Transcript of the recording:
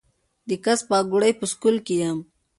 د کڅ پاګوړۍ پۀ سکول کښې يم